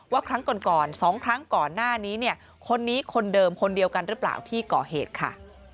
ครั้งก่อนก่อน๒ครั้งก่อนหน้านี้เนี่ยคนนี้คนเดิมคนเดียวกันหรือเปล่าที่ก่อเหตุค่ะ